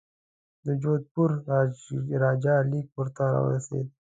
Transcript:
د جودپور راجا لیک ورته را ورسېد.